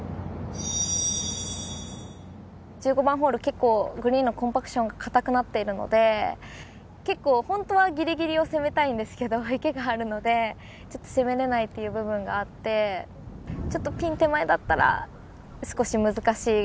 １５番ホール、結構グリーンのコンパクションが硬くなってるので、結構本当はギリギリを攻めたいんですけれど、池があるので、ちょっと攻めれないっていう部分があって、ちょっとピン手前だったら少し難しい。